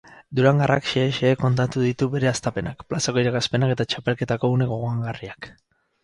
Durangarrak xehe-xehe kontatu ditu bere hastapenak, plazako irakaspenak eta txapelketako une gogoangarriak.